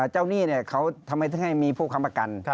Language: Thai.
เจ้าหนี้เขาทำให้มีผู้ค้ำประกัน